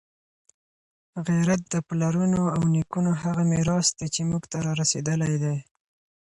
غیرت د پلرونو او نیکونو هغه میراث دی چي موږ ته رارسېدلی دی.